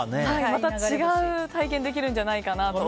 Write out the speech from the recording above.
また違う体験ができるんじゃないかなと。